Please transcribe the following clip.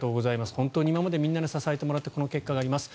本当に今までみんなに支えてもらってこの結果があります